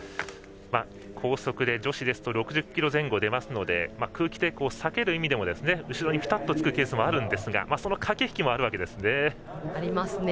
高速で女子ですと６０キロ前後出ますので空気抵抗を避ける意味でも後ろにピタッとつくケースもあるんですがその駆け引きもあるんですね。